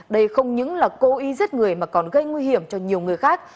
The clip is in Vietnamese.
đây không những là cố ý giết người mà còn gây nguy hiểm cho nhiều người khác